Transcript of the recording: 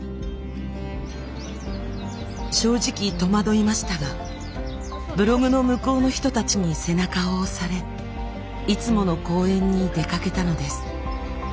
正直戸惑いましたがブログの向こうの人たちに背中を押されいつもの公園に出かけたのです。